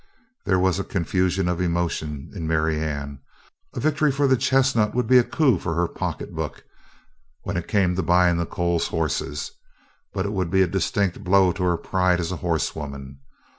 There was a confusion of emotion in Marianne. A victory for the chestnut would be a coup for her pocketbook when it came to buying the Coles horses, but it would be a distinct blow to her pride as a horsewoman.